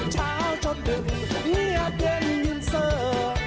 เช้าจนดึกเงียบเย็นยืนเสิร์